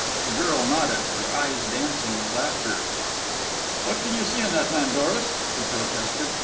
The girl nodded, her eyes dancing with laughter. "What can you see in that man, Doris?" he protested.